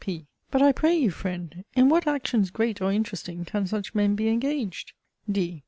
P. But I pray you, friend, in what actions great or interesting, can such men be engaged? D.